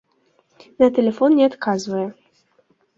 На тэлефон не адказвае.